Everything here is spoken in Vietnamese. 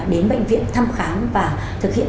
đến bệnh viện thăm khám và thực hiện